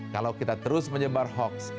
kalau kita terus menyebar hoax